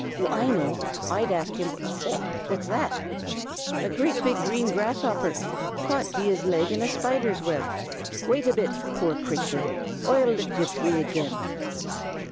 Oh, I know! I'd ask him Och! what's that? A big green grasshopper, caught be his leg in a spider's wib. Wait a bit, poor crathur, oi'll lit ye free agin."